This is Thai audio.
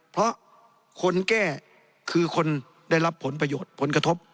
เพราะคนแก้คือคนได้รับผลประโยชน์ผลกระทบ